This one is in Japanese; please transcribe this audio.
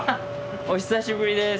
お久しぶりです。